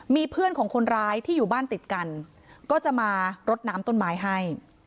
มีเพื่อนของคนร้ายที่อยู่บ้านติดกันก็จะมารดน้ำต้นไม้ให้